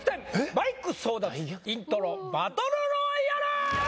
マイク争奪イントロバトルロワイアル